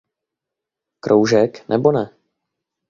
Kroužek, nebo ne?